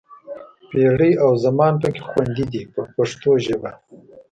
پېړۍ او زمان پکې خوندي دي په پښتو ژبه.